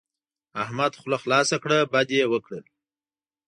احمد خوله خلاصه کړه؛ بد يې وکړل.